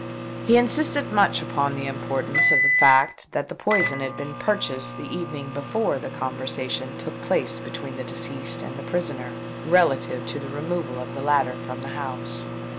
He insisted much upon the importance of the fact that the poison had been purchased the evening before the conversation took place between the deceased and the prisoner, relative to the removal of the latter from the house.